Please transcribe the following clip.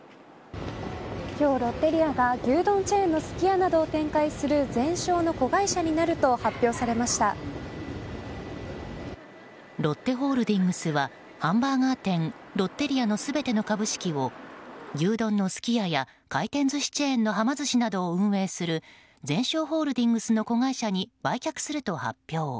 今日ロッテリアが牛丼チェーンのすき家などを展開するゼンショーの子会社になるとロッテホールディングスはハンバーガー店ロッテリアの全ての株式を牛丼のすき家や回転寿司チェーンのはま寿司などを運営するゼンショーホールディングスの子会社に売却すると発表。